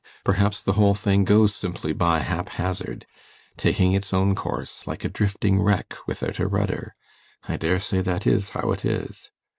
Perhaps the whole thing goes simply by hap hazard taking its own course, like a drifting wreck without a rudder. I daresay that is how it is.